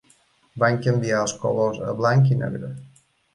Van canviar els colors a blanc i negre.